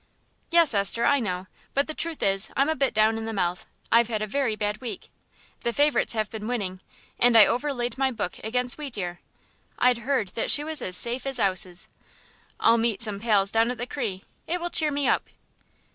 "Yes, Esther, I know; but the truth is, I'm a bit down in the mouth. I've had a very bad week. The favourites has been winning, and I overlaid my book against Wheatear; I'd heard that she was as safe as 'ouses. I'll meet some pals down at the 'Cri'; it will cheer me up."